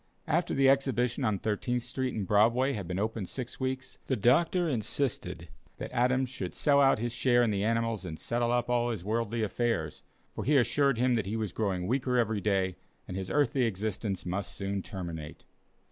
After the exhibition on Thirteenth Street and Broadway had been open six weeks, the doctor insisted that Adams should sell out his share in the animals and settle up all his worldly affairs, for he assured him that he was growing weaker every day, and his earthly existence must soon terminate.